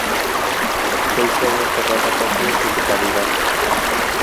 Hoy se halla enterrada casi en su totalidad.